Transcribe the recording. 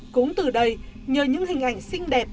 cũng từ đây nhờ những hình ảnh xinh đẹp